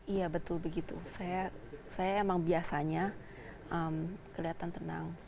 iya betul begitu saya emang biasanya kelihatan tenang